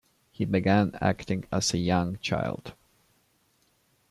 He began acting as a young child.